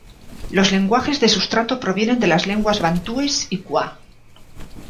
Los lenguajes de sustrato provienen de las lenguas bantúes y kwa.